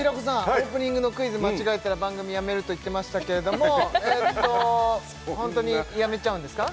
オープニングのクイズ間違えたら番組やめると言ってましたけれどもそんな本当にやめちゃうんですか？